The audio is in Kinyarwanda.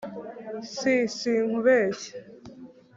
S Sinkubeshya